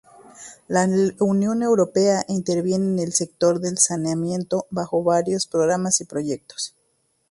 La Unión Europea interviene en el sector de saneamiento bajo varios programas y proyectos.